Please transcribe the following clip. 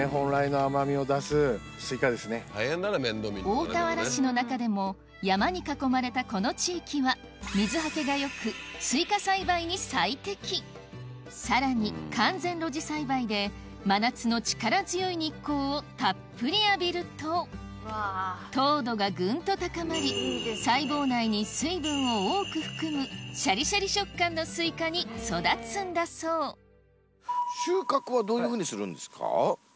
大田原市の中でも山に囲まれたこの地域はさらに完全露地栽培で真夏の力強い日光をたっぷり浴びると糖度がグンと高まり細胞内に水分を多く含むシャリシャリ食感のスイカに育つんだそう収穫はどういうふうにするんですか？